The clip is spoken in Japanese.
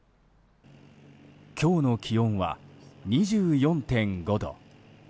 今日の気温は２４．５度。